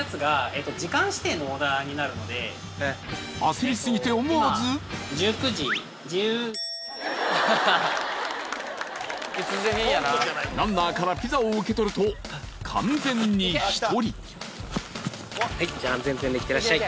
焦り過ぎて思わずランナーからピザを受け取ると完全に１人安全運転でいってらっしゃい。